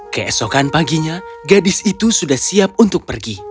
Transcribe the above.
keesokan paginya gadis itu sudah siap untuk pergi